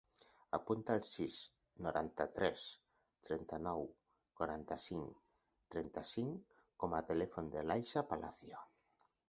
Apunta el sis, noranta-tres, trenta-nou, quaranta-cinc, trenta-cinc com a telèfon de l'Aisha Palacio.